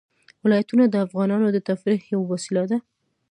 ولایتونه د افغانانو د تفریح یوه وسیله ده.